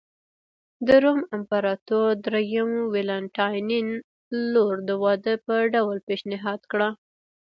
د روم امپراتور درېیم والنټیناین لور د واده په ډول پېشنهاد کړه